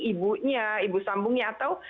ibunya ibu sambungnya atau